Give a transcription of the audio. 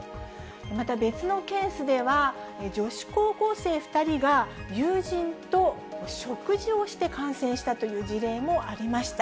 また、別のケースでは、女子高校生２人が友人と食事をして感染したという事例もありました。